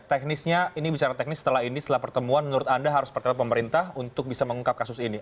teknisnya ini bicara teknis setelah ini setelah pertemuan menurut anda harus bertemu pemerintah untuk bisa mengungkap kasus ini